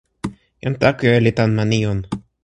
jan Takuja li tan ma Nijon.